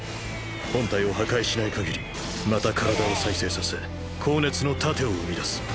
本体を破壊しない限りまた体を再生させ高熱の盾を生み出す。